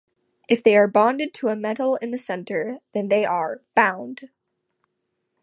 If they are bonded to a metal in the center, then they are "bound".